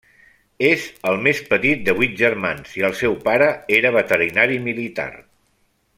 És el més petit de vuit germans, i el seu pare era veterinari militar.